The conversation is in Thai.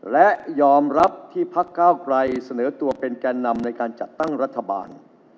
และยอมรับที่พักเก้าไกรเสนอตัวเป็นแก่นำในการจัดตั้งรัฐบาล